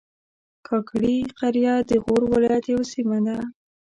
کاکړي قریه د غور ولایت یوه سیمه ده